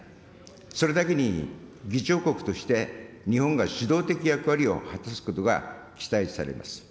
それだけに議長国として日本が主導的役割を果たすことが期待されます。